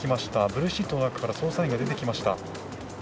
ブルーシートの中から捜査員が出てきました。